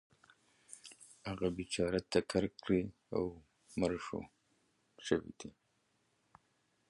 هغه بیچاره ټکر کړی او مړ شوی دی .